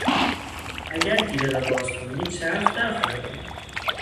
اگر گیره را بازکنی چرخ درخواهد آمد.